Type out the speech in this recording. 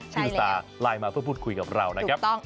ที่อุตส่าห์ไล้มาพูดคุยกับเราถูกต้อง